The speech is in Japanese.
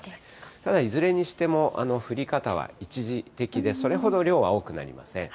ただいずれにしても、降り方は一時的で、それほど量は多くなりません。